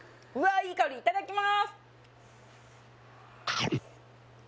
いい香りいただきます